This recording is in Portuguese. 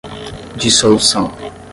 dissolução